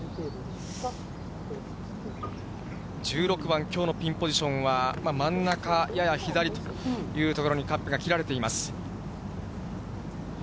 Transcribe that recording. １６番、きょうのピンポジションは、真ん中やや左という所に、カップが切られています。